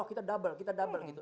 kalau kita double kita double gitu